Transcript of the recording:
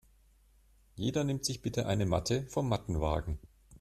Jeder nimmt sich bitte eine Matte vom Mattenwagen.